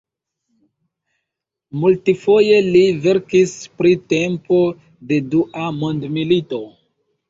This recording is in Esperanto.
Multfoje li verkis pri tempo de Dua mondmilito.